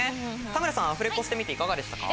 田村さんアフレコしてみていかがでしたか？